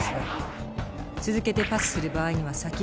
続けてパスする場合には先ほどの２倍。